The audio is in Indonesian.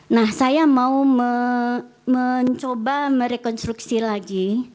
nah saya mau mencoba merekonstruksi lagi